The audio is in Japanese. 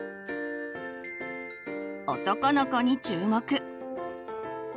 男の子に注目。